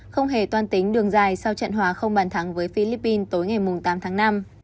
không hề toan tính đường dài sau trận hòa không bàn thắng với philippines tối ngày tám tháng năm